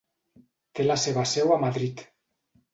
Té la seva seu a Madrid.